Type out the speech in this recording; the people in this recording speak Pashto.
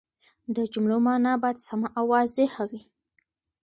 د جملو مانا باید سمه او واضحه وي.